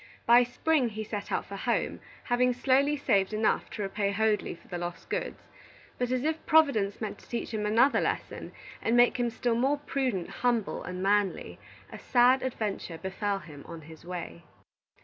By spring he set out for home, having slowly saved enough to repay Hoadley for the lost goods. But as if Providence meant to teach him another lesson, and make him still more prudent, humble, and manly, a sad adventure befell him on his way.